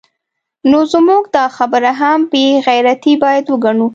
نو زموږ دا خبره هم بې غیرتي باید وګڼو